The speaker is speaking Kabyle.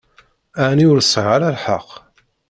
Ɛni ur sɛiɣ ara lḥeqq?